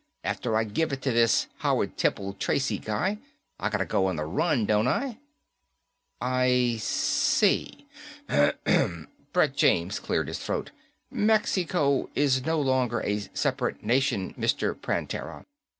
After I give it to this Howard Temple Tracy guy, I gotta go on the run, don't I?" "I see." Brett James cleared his throat. "Mexico is no longer a separate nation, Mr. Prantera.